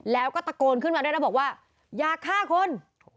แล้วก็ตะโกนขึ้นมาด้วยนะบอกว่าอย่าฆ่าคน